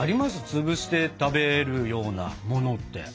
つぶして食べるようなものって。